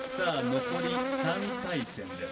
残り３対戦です。